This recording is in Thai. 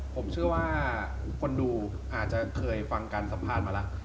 ผมเชื่อว่าคนดูอาจจะเคยฟังการสัมภาษณ์มาแล้ว